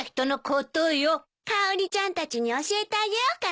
かおりちゃんたちに教えてあげようかな。